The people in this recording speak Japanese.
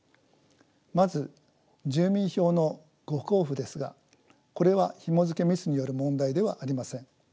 まず住民票の誤交付ですがこれはひもづけミスによる問題ではありません。